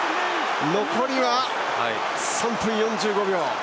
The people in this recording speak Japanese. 残り３分４５秒。